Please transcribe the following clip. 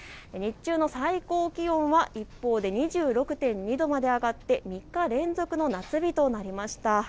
日中の最高気温は２６．２度まで上がって３日連続の夏日となりました。